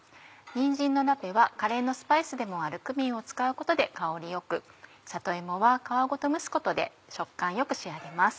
にんじんのラペはカレーのスパイスでもあるクミンを使うことで香りよく里芋は皮ごと蒸すことで食感よく仕上げます。